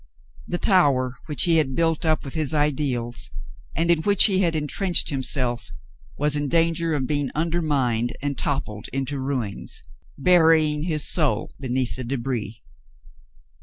The tower which he had built up with his ideals, and in which he had intrenched himself, was in danger of being undermined and toppled into ruins, bury ing his soul beneath the debris.